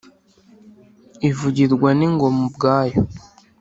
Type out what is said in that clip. ivugirwa n’ingoma ubwayo